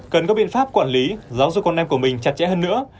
cần có biện pháp quản lý giáo dục con em của mình chặt chẽ hơn nữa